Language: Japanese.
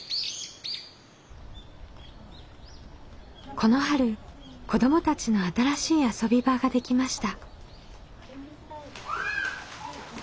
この春子どもたちの新しい遊び場ができました。